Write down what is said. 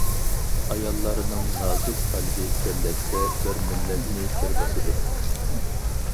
ئاياللارنىڭ نازۇك قەلبى كىرلەشسە بىر مىللەتنى كىر باسىدۇ.